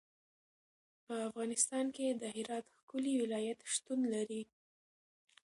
په افغانستان کې د هرات ښکلی ولایت شتون لري.